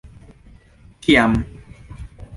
ĉiam